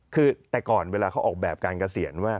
คือแต่ก่อนเวลาเขาออกแบบการเกษียณว่า